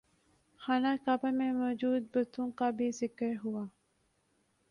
خانہ کعبہ میں موجود بتوں کا بھی ذکر ہوا